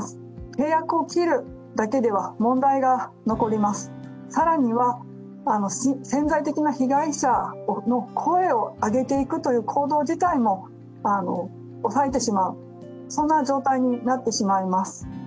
契約を切るだけでは問題が残ります、更には、潜在的な被害者の声を上げていくという行動自体も抑えてしまう状態になってしまいます。